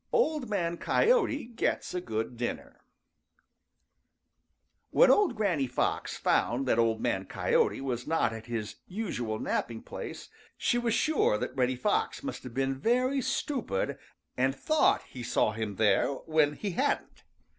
OLD MAN COYOTE GETS A GOOD DINNER |WHEN old Granny Fox found that Old Man Coyote was not at his usual napping place, she was sure that Reddy Fox must have been very stupid and thought that he saw him there when he didn't.